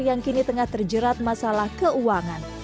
yang kini tengah terjerat masalah keuangan